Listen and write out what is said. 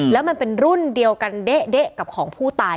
แล้วมันเป็นรุ่นเดียวกันเด๊ะกับของผู้ตาย